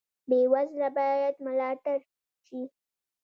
بې وزله باید ملاتړ شي